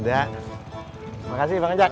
terima kasih pak nikat